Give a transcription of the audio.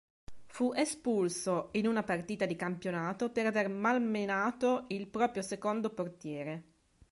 Fu espulso in una partita di campionato per aver malmenato il proprio secondo portiere.